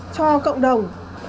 cho cộng đồng